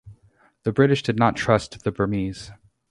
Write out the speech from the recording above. The British did not trust the Burmese.